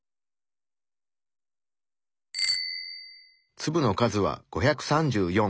粒の数は５３４。